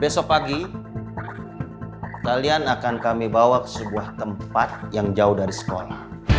besok pagi kalian akan kami bawa ke sebuah tempat yang jauh dari sekolah